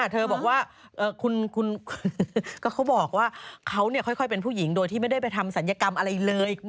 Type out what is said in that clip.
เธอบอกว่าเขาค่อยเป็นผู้หญิงโดยที่ไม่ได้ไปทำศัลยกรรมอะไรเลย